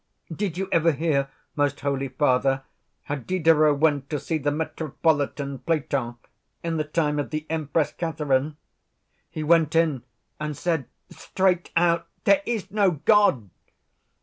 Did you ever hear, most Holy Father, how Diderot went to see the Metropolitan Platon, in the time of the Empress Catherine? He went in and said straight out, 'There is no God.